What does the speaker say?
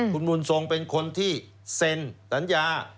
คุณบุญทรงเป็นคนที่เซ็นสัญญา